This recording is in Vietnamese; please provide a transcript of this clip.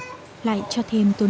hến nhiều lại cho thêm tôm ớt